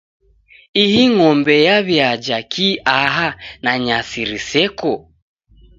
Ihi ng'ombe yaw'iaja kii aha, na nyasi riseko?